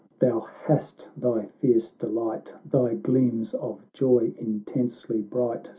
thou hast thy fierce delight, Thy gleams of joy, intensely bright